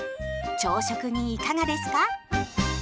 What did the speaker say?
朝食にいかがですか？